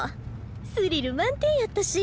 スリル満点やったし。